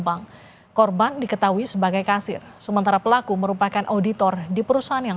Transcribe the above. suami korban ganda permana bilang pihaknya meyakini pelaku